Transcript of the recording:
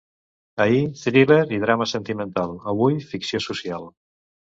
Ahir, thriller i drama sentimental; avui, ficció social.